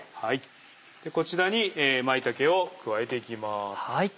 こちらに舞茸を加えていきます。